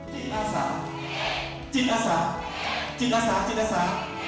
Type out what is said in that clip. จิตอาสาจิตอาสาจิตอาสาจิตอาสา